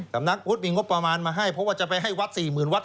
สำนักพุทธมีงบประมาณมาให้เพราะว่าจะไปให้วัด๔๐๐๐วัด